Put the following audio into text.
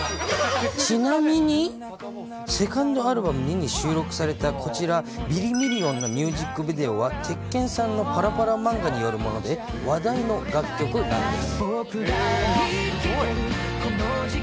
ちなみに、セカンドアルバム、弐に収録されたこちら、ビリミリオンのミュージックビデオは、鉄拳さんのパラパラ漫画によるもので、話題の楽曲なんです。